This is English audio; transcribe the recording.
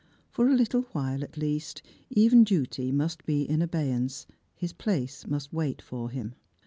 For a little while, at least, even duty must be iu abeyance, his place must wait for him.